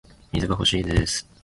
水が欲しいです